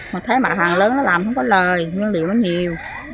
mà thấy bà hàng lớn đó làm không có lời nguyên liệu bền nhiều